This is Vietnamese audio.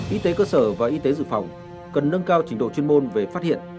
y tế cơ sở và y tế dự phòng cần nâng cao trình độ chuyên môn về phát hiện